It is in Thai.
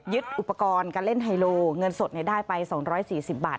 อุปกรณ์การเล่นไฮโลเงินสดได้ไป๒๔๐บาท